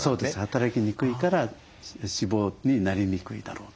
働きにくいから脂肪になりにくいだろうと。